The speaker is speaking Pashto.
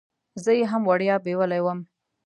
زه یې هم وړیا بیولې وم.